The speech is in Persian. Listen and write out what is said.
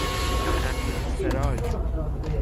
امیرسِراج